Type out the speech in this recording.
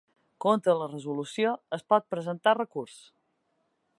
Contra la resolució es pot presentar recurs.